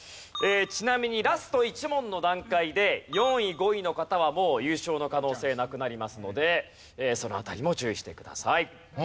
ちなみにラスト１問の段階で４位５位の方はもう優勝の可能性なくなりますのでその辺りも注意してください。